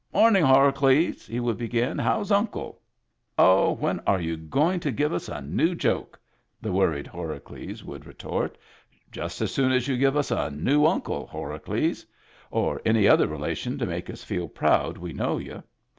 "Morning, Hora cles," he would begin ;" how's Uncle ?"—" Oh, when are you going to give us a new joke ?" the worried Horacles would retort. — "Just as soon as you give us a new Uncle, Horacles. Or any other relation to make us feel proud we know you.